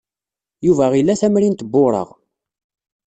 Yuba ila tamrint n wureɣ.